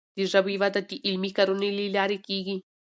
د ژبي وده د علمي کارونو له لارې کیږي.